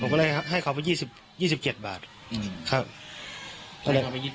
ก็เลยผมก็ให้เขาหากิน